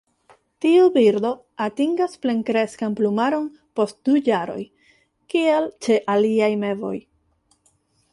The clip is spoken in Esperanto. Tiu birdo atingas plenkreskan plumaron post du jaroj kiel ĉe aliaj mevoj.